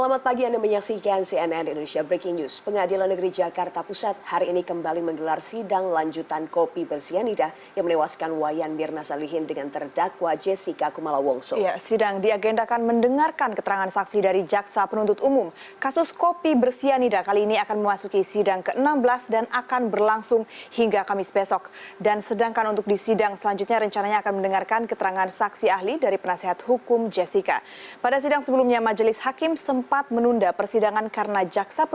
apakah berarti tindakan tersebut harus menunggu persetujuan dari pihak keluarga